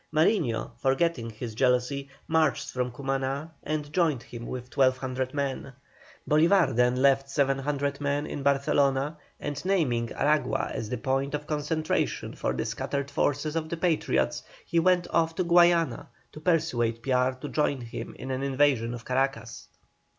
Mariño, forgetting his jealousy, marched from Cumaná and joined him with 1,200 men. Bolívar then left 700 men in Barcelona, and naming Aragua as the point of concentration for the scattered forces of the Patriots, he went off to Guayana to persuade Piar to join him in an invasion of Caracas.